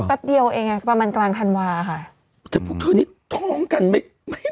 แป๊บเดียวเองอ่ะประมาณกลางธันวาค่ะแต่พวกเธอนี้ท้องกันไม่ไม่